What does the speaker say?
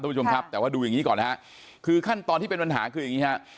ผู้ชมครับแต่ว่าดูอย่างงี้ก่อนฮะคือขั้นตอนที่เป็นปัญหาคืออย่างนี้ฮะ